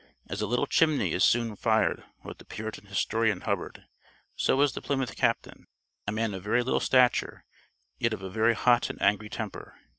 "As a little chimney is soon fired," wrote the Puritan historian Hubbard, "so was the Plymouth captain, a man of very little stature, yet of a very hot and angry temper."